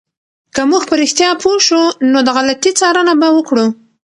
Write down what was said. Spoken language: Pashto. که موږ په رښتیا پوه شو، نو د غلطي څارنه به وکړو.